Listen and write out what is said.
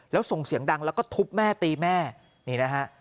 แล้วส่งเสียงดังแล้วก็ทุบแม่ตีแม่นี่นะฮะ